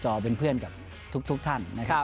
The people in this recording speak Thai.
ช่วยเทพธรรมไทยรัช